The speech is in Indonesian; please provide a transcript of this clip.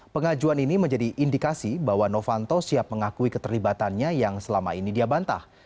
pengajuan ini menjadi indikasi bahwa novanto siap mengakui keterlibatannya yang selama ini dia bantah